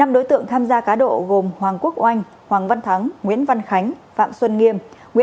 năm đối tượng tham gia cá độ gồm hoàng quốc oanh hoàng văn thắng nguyễn văn khánh phạm xuân nghiêm